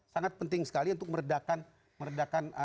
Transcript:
sangat penting sekali untuk meredakan meredakan